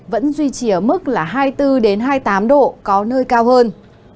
vẫn duy trì ở mức là hai mươi bốn hai mươi tám độ có nơi cao hơn